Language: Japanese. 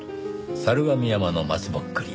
猿峨見山の松ぼっくり